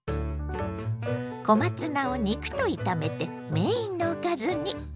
小松菜を肉と炒めてメインのおかずに。